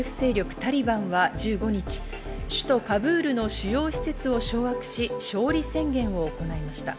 タリバンは１５日、首都カブールの主要施設を掌握し、勝利宣言を行いました。